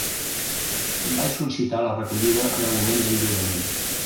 Vaig sol·licitar la recollida en el moment del lliurament.